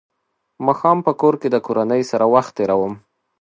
ماښام په کور کې د کورنۍ سره وخت تېروم.